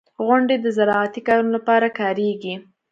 • غونډۍ د زراعتي کارونو لپاره کارېږي.